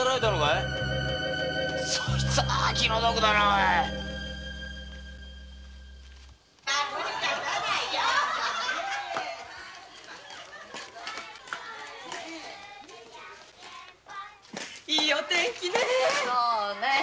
いいお天気ねぇ。